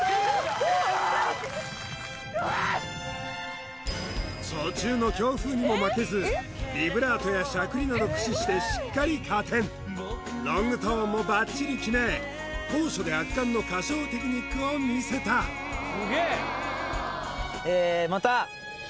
フー途中の強風にも負けずビブラートやしゃくりなど駆使してしっかり加点ロングトーンもばっちり決め高所で圧巻の歌唱テクニックをみせたうわ